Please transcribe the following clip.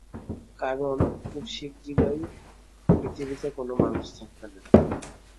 কারণ, খুব শিগগিরই পৃথিবীতে কোনো মানুষ থাকবে না।